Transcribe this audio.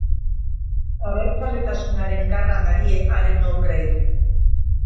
Abertzaletasunaren garra darie haren obrei.